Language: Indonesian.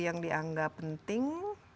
yang dianggap penting